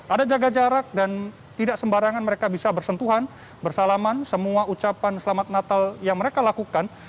ada jaga jarak dan tidak sembarangan mereka bisa bersentuhan bersalaman semua ucapan selamat natal yang mereka lakukan